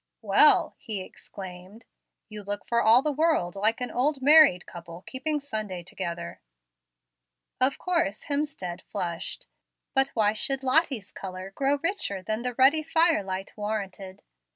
"Well," he exclaimed, "you look for all the world like an old married couple keeping Sunday together." Of course Hemstead flushed. But why should Lottie's color grow richer than the ruddy fire light warranted?